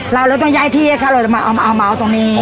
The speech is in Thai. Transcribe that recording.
เราเลยต้องย้ายที่ให้ค่ะเราจะมาเอามาเอาตรงนี้